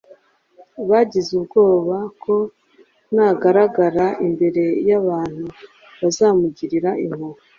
Bagize ubwoba ko nagaragara imbere y’abantu bazamugirira impuhwe